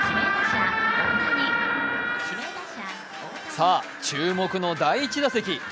さあ、注目の第１打席。